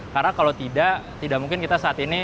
karena kalau tidak tidak mungkin kita saat ini